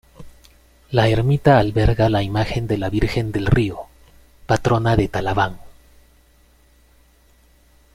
La ermita alberga la imagen de la Virgen del Río, patrona de Talaván.